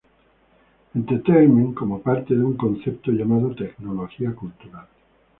Entertainment, como parte de un concepto llamado tecnología cultural.